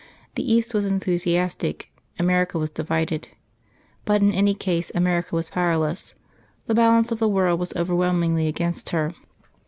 The East was enthusiastic; America was divided. But in any case America was powerless: the balance of the world was overwhelmingly against her.